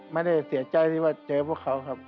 ไม่ได้เสียใจที่ว่าเจอพวกเขาครับ